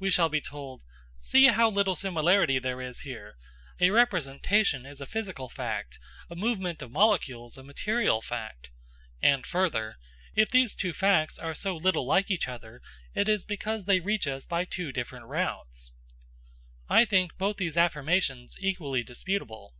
We shall be told: "See how little similarity there is here! A representation is a physical fact, a movement of molecules a material fact." And further, "If these two facts are so little like each other, it is because they reach us by two different routes." I think both these affirmations equally disputable.